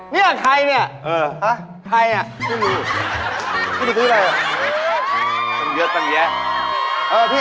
เดี๋ยวเนี่ยมันใครนี่